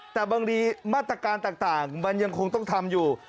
แต่บางทีมาตรการต่างมันยังคงต้องทำอยู่